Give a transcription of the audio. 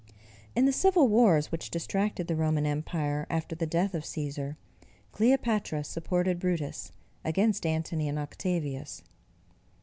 In the civil wars which distracted the Roman empire after the death of Cæsar, Cleopatra supported Brutus, against Antony and Octavius.